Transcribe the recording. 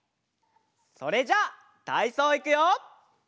それじゃたいそういくよ！